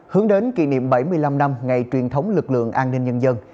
hướng đến kỷ niệm bảy mươi năm năm ngày truyền thống lực lượng an ninh nhân dân